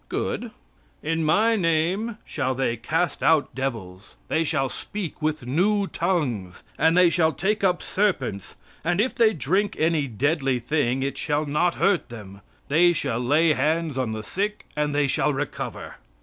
Good. "In My name shall they cast out devils. They shall speak with new tongues, and they shall take up serpents and if they drink any deadly thing it shall not hurt them. They shall lay hands on the sick, and they shall recover."